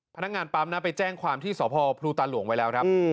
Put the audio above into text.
พนักงานปั๊มนะไปแจ้งความที่สพพลูตาหลวงไว้แล้วครับ